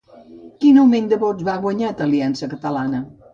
Quin augment de vots ha guanyat Aliança Catalana?